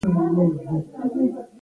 احمد پر چپه راته اوښتلی دی.